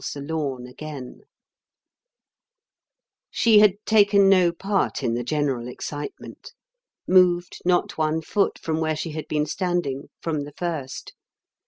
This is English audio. She had taken no part in the general excitement, moved not one foot from where she had been standing from the first.